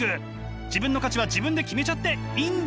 自分の価値は自分で決めちゃっていいんです！